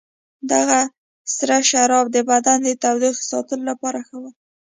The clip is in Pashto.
دغه سره شراب د بدن د تودوخې ساتلو لپاره ښه ول.